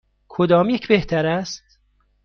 کدام یک بهتر است؟